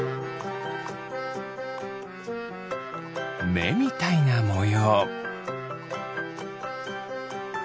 めみたいなもよう。